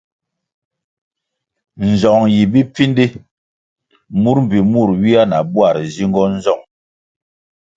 Nzong yi bipfindi, mur mbpi mur ywia na bwar nzingo nzong.